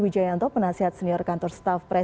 selamat malam bapak bapak